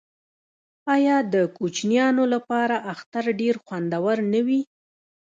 آیا د کوچنیانو لپاره اختر ډیر خوندور نه وي؟